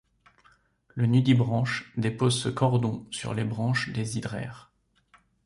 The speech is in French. Le nudibranche dépose ce cordon sur les branches des hydraires.